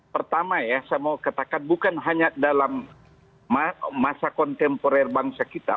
pertama ya saya mau katakan bukan hanya dalam masa kontemporer bangsa kita